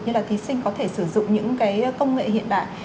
như là thí sinh có thể sử dụng những cái công nghệ hiện đại